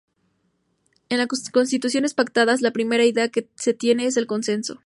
En las Constituciones pactadas, la primera idea que se tiene es el consenso.